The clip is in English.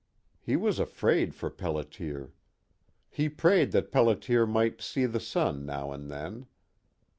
He was afraid for Pelliter. He prayed that Pelliter might see the sun now and then.